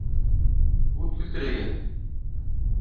Ут килтерегеҙ!